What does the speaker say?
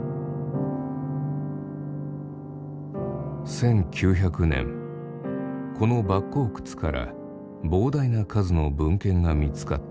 １９００年この莫高窟から膨大な数の文献が見つかった。